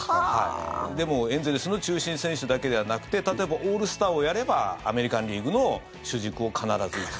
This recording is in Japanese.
でも、エンゼルスの中心選手だけではなくて例えば、オールスターをやればアメリカン・リーグの主軸を必ず打つ。